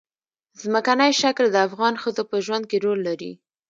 ځمکنی شکل د افغان ښځو په ژوند کې رول لري.